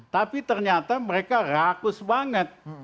tapi ternyata mereka rakus banget